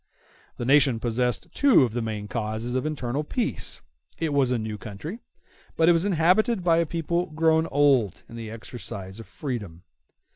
The nation possessed two of the main causes of internal peace; it was a new country, but it was inhabited by a people grown old in the exercise of freedom.